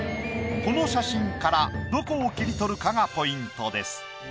この写真からどこを切り取るかがポイントです。